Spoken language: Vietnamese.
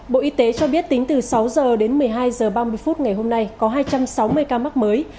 bộ y tế cho biết tính từ sáu h đến một mươi hai h ba mươi phút ngày hôm nay có hai trăm sáu mươi ca mắc mới